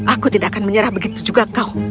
aku tidak akan menyerah begitu juga kau